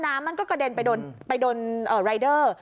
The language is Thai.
น้ำมันก็กระเด็นไปโดนรายเดอร์